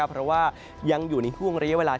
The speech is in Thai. เพราะว่ายังอยู่ในห่วงระยะเวลา